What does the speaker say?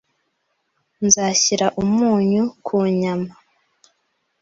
Nzashyira umunyu ku nyama.